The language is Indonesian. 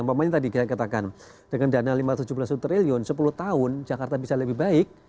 pemain tadi kita katakan dengan dana lima ratus tujuh belas triliun sepuluh tahun jakarta bisa lebih baik